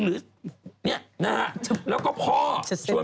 หรือเนี่ยนะฮะ